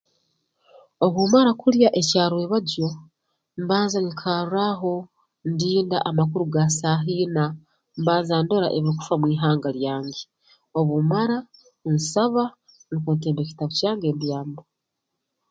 Obu mmara kulya ekyarwebagyo mbanza nyikarraaho ndinda amakuru ga saaha ina mbanza ndora ebirukufa mu ihanga lyange obu mmara nsaba nukwo ntemba ekitabu kyange mbyama